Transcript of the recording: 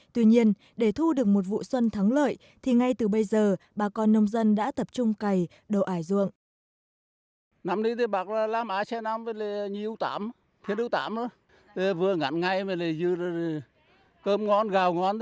tuy nhiên để thu được một vụ xuân thắng lợi thì ngay từ bây giờ bà con nông dân đã tập trung cày đồ ải ruộng